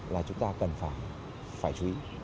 là chúng ta cần phải chú ý